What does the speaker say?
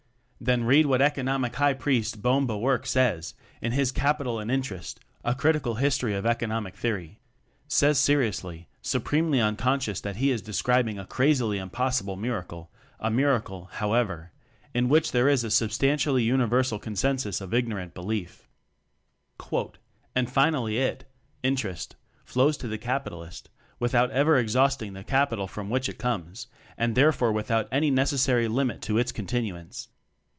Then read what Economic High Priest Boehm Bawerk says in his "Capital and Interest A Critical His tory of Economic Theory"; says seri ously, supremely uncon scious that he is describing a crazily impossible mir acle a miracle, however, in which there is a substantially universal con sensus of ignorant .belief. "And finally it (interest) flows to the capitalist without ever exhausting the capital from which it comes, and therefore without any necessary limit to its continuance.